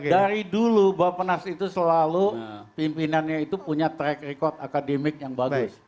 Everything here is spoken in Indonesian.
dari dulu bapak nas itu selalu pimpinannya itu punya track record akademik yang bagus